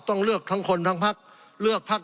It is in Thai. สงบจนจะตายหมดแล้วครับ